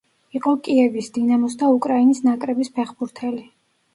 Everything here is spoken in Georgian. იყო კიევის „დინამოს“ და უკრაინის ნაკრების ფეხბურთელი.